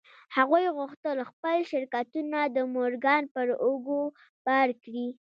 هغوی غوښتل خپل شرکتونه د مورګان پر اوږو بار کړي